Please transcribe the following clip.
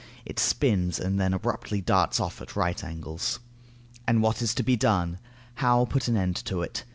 It spins and then abruptly darts off at right angles. And what is to be done? How put an end to it?